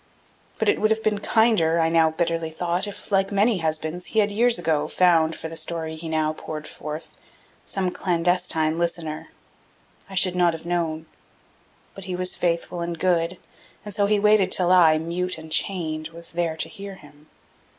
But it would have been kinder, I now bitterly thought, if, like many husbands, he had years ago found for the story he now poured forth some clandestine listener; I should not have known. But he was faithful and good, and so he waited till I, mute and chained, was there to hear him.